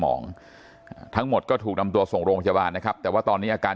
หมองทั้งหมดก็ถูกนำตัวส่งโรงพยาบาลนะครับแต่ว่าตอนนี้อาการ